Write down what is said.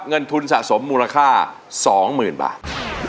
เงินทุนสะสมมูลค่า๒๐๐๐บาท